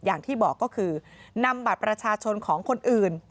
อย่างที่บอกก็คือนำบัตรประชาชนของคนอื่น